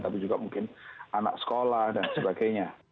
tapi juga mungkin anak sekolah dan sebagainya